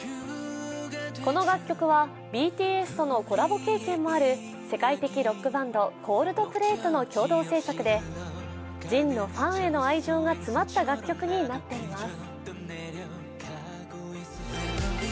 この楽曲はＢＴＳとのコラボ経験もある世界的ロックバンド、Ｃｏｌｄｐｌａｙとの共同制作でＪＩＮのファンへの愛情が詰まった楽曲になっています。